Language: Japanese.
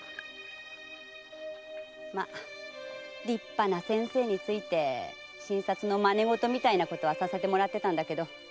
まあ立派な先生について診察の真似ごとみたいなことはさせてもらってたんだけど。